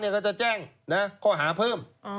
ก็จะแจ้งข้อหาเพิ่ม